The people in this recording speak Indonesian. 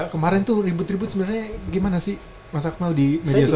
kemarin tuh ribut ribut sebenarnya gimana sih mas akmal di media sosial